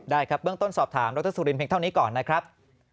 ได้ครับเบื้องต้นสอบถามดรสุรินเพียงเท่านี้ก่อนนะครับ